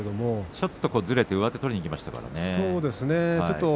ちょっとずれて上手を取りにいきましたね。